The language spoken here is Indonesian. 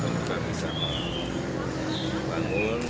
untuk bisa membangun